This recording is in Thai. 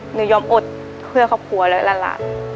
หนูยอมอดเพื่อขอบคุณแล้วล่ะล่ะ